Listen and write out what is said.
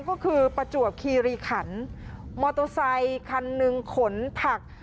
ก็คือประจวบคีรีขันมอเตอร์ไซคันหนึ่งขนผัก